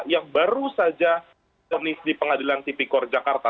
yang baru saja ponis di pengadilan tipikor jakarta